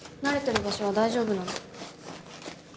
慣れてる場所は大丈夫なの。